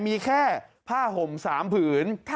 มีแค่ผ้าห่ม๓ผืน